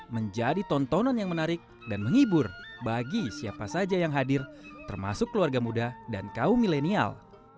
menjadi tontonan yang menarik dan menghibur bagi siapa saja yang hadir termasuk keluarga muda dan kaum milenial